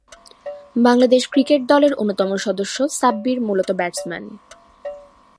Bangladesh cricket দলের অন্যতম সদস্য সাব্বির মূলতঃ ব্যাটসম্যান।